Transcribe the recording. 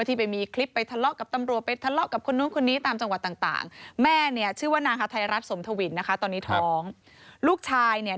ที่ไปมีคลิปทะเลาะกับตำรวจ